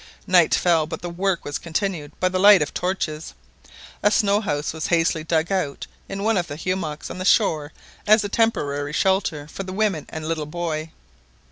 Night fell, but the work was continued by the light of torches. A "snow house" was hastily dug out in one of the hummocks on the shore as a temporary shelter for the women and the little boy.